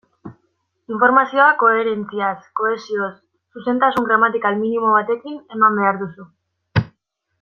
Informazioa koherentziaz, kohesioz, zuzentasun gramatikal minimo batekin eman behar duzu.